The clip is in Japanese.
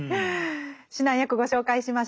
指南役ご紹介しましょう。